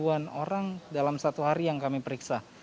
sampai dua ribu an orang dalam satu hari yang kami periksa